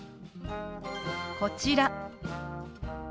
こちら。